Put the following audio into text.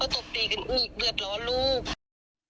ตบตีกันอีกเดือดร้อนลูก